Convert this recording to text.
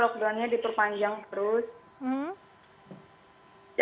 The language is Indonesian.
lockdownnya diperpanjang terus